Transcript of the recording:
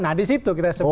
nah disitu kita sebutin